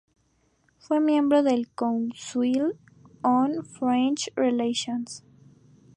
Fue miembro del Council on Foreign Relations.